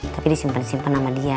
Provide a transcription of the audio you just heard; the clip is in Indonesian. tapi disimpen simpen sama dia